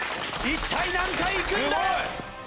一体何回いくんだ！？